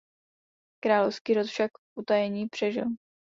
Královský rod však v utajení přežil.